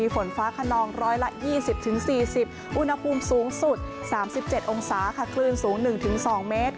ฝนฟ้าขนอง๑๒๐๔๐อุณหภูมิสูงสุด๓๗องศาค่ะคลื่นสูง๑๒เมตร